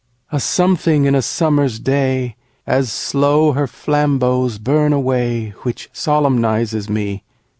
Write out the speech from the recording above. A something in a summer's day, As slow her flambeaux burn away, Which solemnizes me.